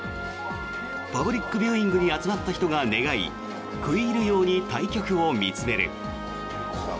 パブリックビューイングに集まった人が願い食い入るように対局を見つめる。